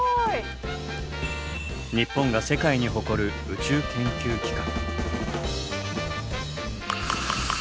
日本が世界に誇る宇宙研究機関。